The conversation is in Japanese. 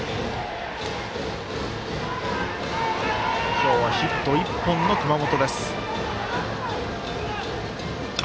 今日ヒット１本の熊本。